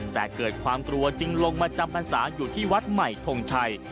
แต่เกิดความกลัวจึงลงมาจำพรรษาอยู่ที่วัดใหม่ทงชัย